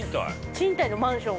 ◆賃貸のマンション？